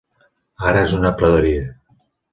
Ara és una praderia.